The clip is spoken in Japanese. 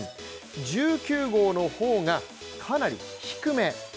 １９号の方が、かなり低め。